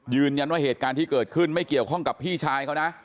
เหตุการณ์ที่เกิดขึ้นไม่เกี่ยวข้องกับพี่ชายเขานะ